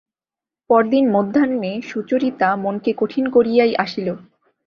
পরদিন মধ্যাহ্নে সুচরিতা মনকে কঠিন করিয়াই আসিল।